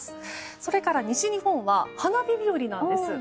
それから西日本は花火日和なんです。